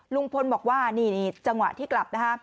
ลุงพลบอกว่านี่จังหวะที่กลับนะฮะ